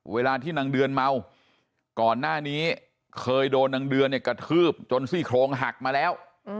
เวลาที่นางเดือนเมาก่อนหน้านี้เคยโดนนางเดือนเนี่ยกระทืบจนซี่โครงหักมาแล้ว